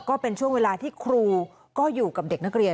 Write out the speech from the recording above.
ก็เป็นช่วงเวลาที่ครูก็อยู่กับเด็กนักเรียน